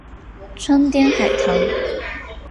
川滇海棠